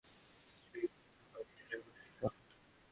স্ত্রীর প্রতি তাহার অত্যাচার অসহ্য।